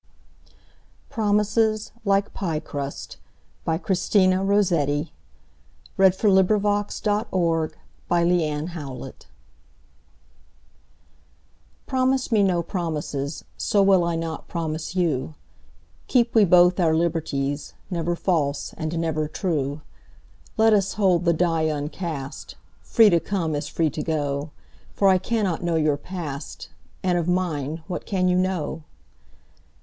e Promises Like Pie Crust by Christina Rossetti Promise me no promises, So will I not promise you:Keep we both our liberties, Never false and never true:Let us hold the die uncast, Free to come as free to go:For I cannot know your past, And of mine what can you know?